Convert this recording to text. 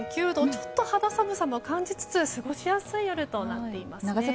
ちょっと肌寒さも感じつつ過ごしやすい夜となっています。